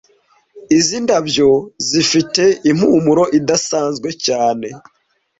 Izi ndabyo zifite impumuro idasanzwe cyane